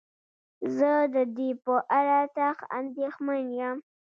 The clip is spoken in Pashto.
زه ددې په اړه سخت انديښمن يم.